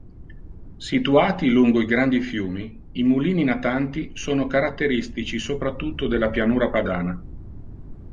Situati lungo i grandi fiumi, i mulini natanti sono caratteristici soprattutto della Pianura Padana.